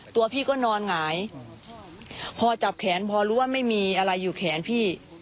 ตัวพี่ก็นอนหงายพอจับแขนพอรู้ว่าไม่มีอะไรอยู่แขนพี่